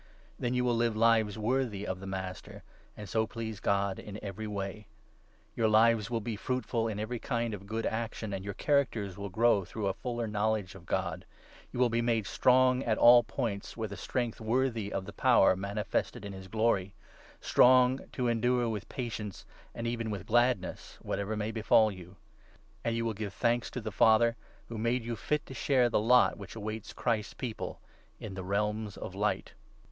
Then you will live lives worthy of the Master, and so please 10 God in every way. Your lives will be fruitful in every kind of good action, and your characters will grow through a fuller knowledge of God ; you will be made strong at all points with a 1 1 strength worthy of the power manifested in his Glory — strong to endure with patience, and even with gladness, whatever may befall you ; and you will give thanks to the Father who 12 made you fit to share the lot which awaits Christ's People in the realms of Light. 378 COLOSSIANS, 1. II. — THE PERSON AND WORK OF THE CHRIST.